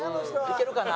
いけるかな？